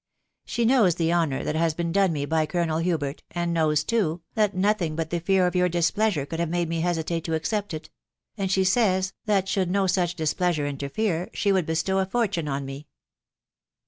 She knows the honour that has been done me by Colons! Hubert, and knows too, that nothing but the fear of pleasure could have made me hesitate to accept it ;..•„ she says, that should no such displeasure interfere, Bestow a fortune on me."